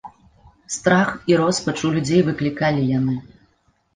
Страх і роспач у людзей выклікалі яны.